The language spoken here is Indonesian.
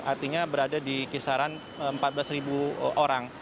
artinya berada di kisaran empat belas orang